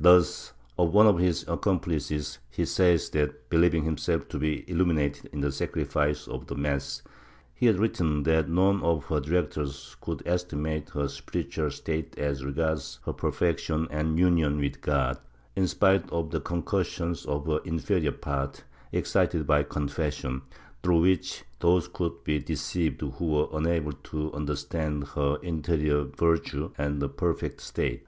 Thus of one of his accomplices he says that, believing himself to be illuminated in the sacrifice of the mass, he had written that none of her directors could esti mate her spiritual state as regards her perfection and Union with God, in spite of the concussions of her inferior part, excited by obsession, through which those could be deceived who were unable to understand her interior virtues and perfect state.